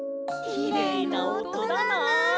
きれいなおとだな。